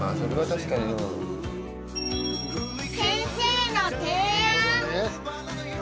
先生の提案！